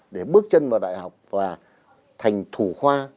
để bước chân vào đại học và thành thủ khoa